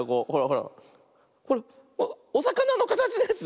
ほらおさかなのかたちのやつ。